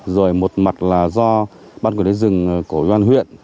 rồi một mặt là do ban quản lý rừng cổ yên huyện